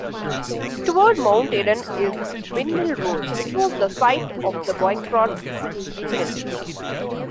Towards Mount Eden is Windmill Road which was the site of the Bycroft Windmill.